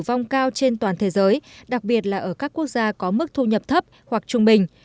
tử vong cao trên toàn thế giới đặc biệt là ở các quốc gia có mức thu nhập thấp hoặc trung bình